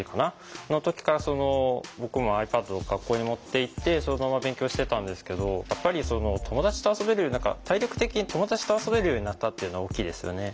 その時から僕もｉＰａｄを学校に持っていってそのまま勉強してたんですけどやっぱり友達と遊べるより何か体力的に友達と遊べるようになったっていうのは大きいですよね。